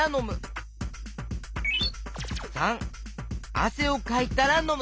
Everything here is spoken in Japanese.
③あせをかいたらのむ。